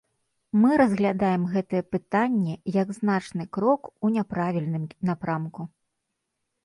Мы разглядаем гэтае пытанне як значны крок у няправільным напрамку.